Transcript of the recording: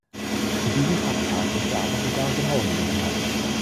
Diesen Traktat dürfte er aber sogar genauer gelesen haben.